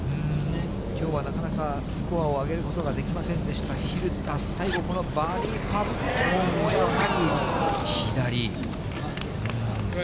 きょうはなかなかスコアを上げることができませんでした、蛭田、最後、このバーディーパットも、やっぱり左。